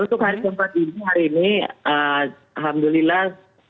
dan untuk hari keempat ini hari ini alhamdulillah